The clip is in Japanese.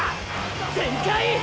全開！